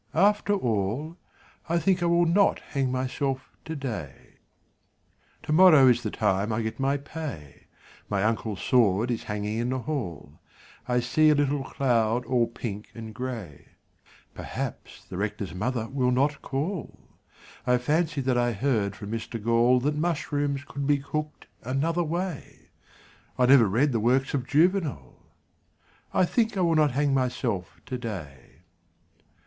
. After all I think I will not hang myself today. Tomorrow is the time I get my pay My uncle's sword is hanging in the hall I see a little cloud all pink and grey Perhaps the Rector's mother will not call I fancy that I heard from Mr Gall That mushrooms could be cooked another way I never read the works of Juvenal I think I will not hang myself today.